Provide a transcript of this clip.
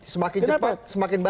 semakin cepat semakin baik